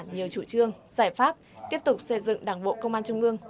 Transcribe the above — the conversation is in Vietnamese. nhiều chủ trương giải pháp tiếp tục xây dựng đảng bộ công an trung ương